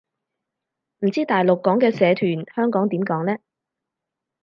唔知大陸講嘅社團，香港點講呢